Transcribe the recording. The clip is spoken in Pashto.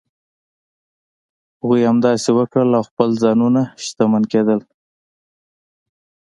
هغوی همداسې وکړل او خپل ځانونه شتمن کړل.